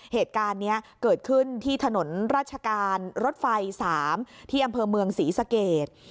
เหตุการณ์นี้เกิดขึ้นที่ถนนราชการรถไฟ๓ที่อำเภอเมืองศรีสเกต